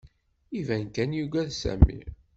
Iban kan yuggad Sami.